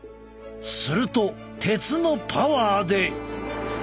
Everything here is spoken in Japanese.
すると鉄のパワーで。